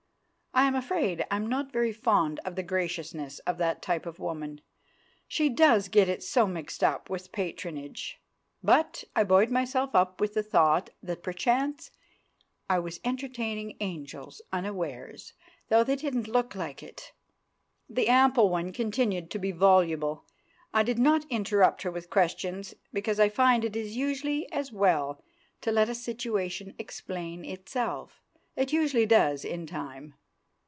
I am afraid I am not very fond of the graciousness of that type of woman; she does get it so mixed up with patronage. But I buoyed myself up with the thought that perchance I was entertaining angels unawares—though they didn't look like it! The ample one continued to be voluble. I did not interrupt her with questions, because I find it is usually as well to let a situation explain itself; it usually does in time.